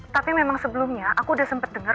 tapi memang sebelumnya aku udah sempet denger